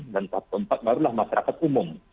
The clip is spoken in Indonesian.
dan tahap keempat barulah masyarakat umum